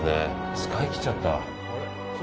使い切っちゃった。